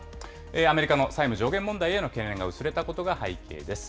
アメリカの債務上限問題への懸念が薄れたことが背景です。